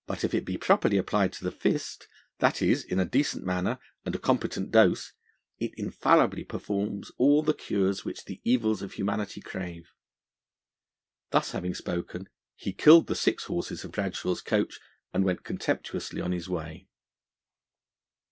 If it be properly applied to the fist, that is in a decent manner, and a competent dose, it infallibly performs all the cures which the evils of humanity crave.' Thus having spoken, he killed the six horses of Bradshaw's coach, and went contemptuously on his way.